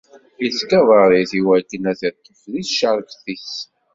Ittgabar-it iwakken ad t-iṭṭef di tcerket-is.